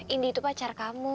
indi itu pacar kamu